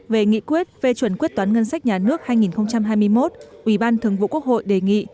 về nghị quyết về chuẩn quyết toán ngân sách nhà nước hai nghìn hai mươi một ủy ban thường vụ quốc hội đề nghị